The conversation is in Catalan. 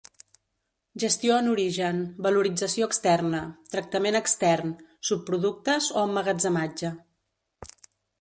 Gestió en origen, valorització externa, tractament extern, subproductes o emmagatzematge.